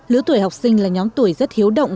lứa tuổi học sinh là nhóm tuổi rất hiếu động